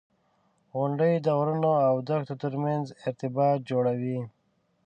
• غونډۍ د غرونو او دښتو ترمنځ ارتباط جوړوي.